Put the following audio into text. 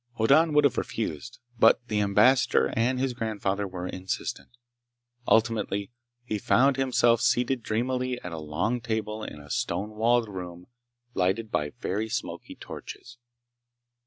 Hoddan would have refused, but the Ambassador and his grandfather were insistent. Ultimately he found himself seated drearily at a long table in a stone walled room lighted by very smoky torches.